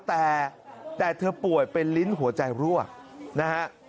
แต่เธอป่วยเป็นลิ้นหัวใจรั่วนะฮะ